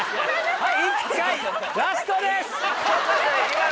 はい。